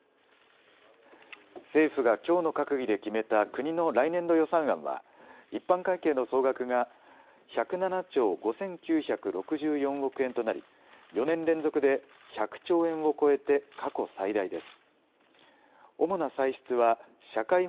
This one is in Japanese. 政府がきょうの閣議で決めた国の来年度予算案は、一般会計の総額が１０７兆５９６４億円となり、４年連続で１００兆円を超えて、過去最大です。